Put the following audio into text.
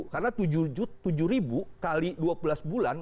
karena tujuh kali dua belas bulan